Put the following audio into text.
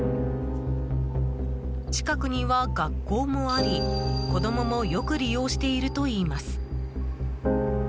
近くには学校もあり、子供もよく利用しているといいます。